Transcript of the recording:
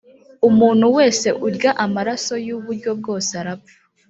umuntu wese urya amaraso y uburyo bwose arapfa